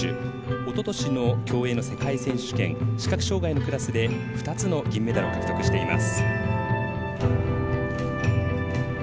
おととしの競泳の世界選手権視覚障がいのクラスで２つの銀メダルを獲得しています。